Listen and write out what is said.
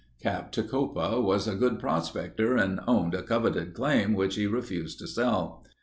Cap Tecopa was a good prospector and owned a coveted claim which he refused to sell.